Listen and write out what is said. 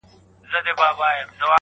همېشه په ښو نمرو کامیابېدله,